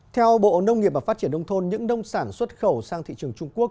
theo bộ nông nghiệp và phát triển nông thôn những nông sản xuất khẩu sang thị trường trung quốc